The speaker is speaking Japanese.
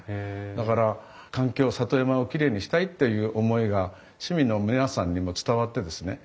だから環境里山をきれいにしたいっていう思いが市民の皆さんにも伝わってですね